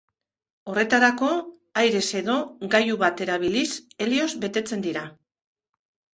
Horretarako, airez edo, gailu bat erabiliz, helioz betetzen dira.